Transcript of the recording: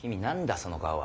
その顔は。